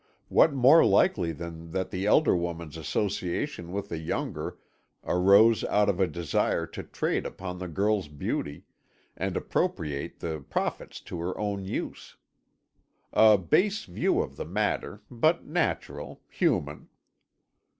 What more likely than that the elder woman's association with the younger arose out of a desire to trade upon the girl's beauty, and appropriate the profits to her own use? A base view of the matter, but natural, human.